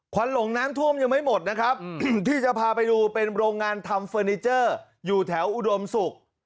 วันหลงน้ำท่วมยังไม่หมดนะครับที่จะพาไปดูเป็นโรงงานทำเฟอร์นิเจอร์อยู่แถวอุดมศุกร์